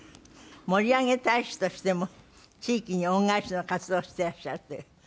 盛り上げ大使としても地域に恩返しの活動をしていらっしゃるという。